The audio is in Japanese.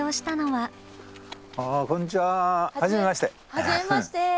はじめまして。